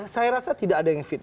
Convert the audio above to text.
saya rasa tidak ada yang fit